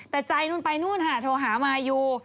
แต่ใจนุ่นไปนุ่นหาโทรหามาอยู่